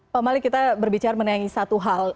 pak malik kita berbicara mengenai satu hal